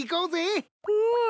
うん！